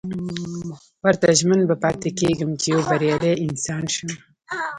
ورته ژمن به پاتې کېږم چې يو بريالی انسان شم.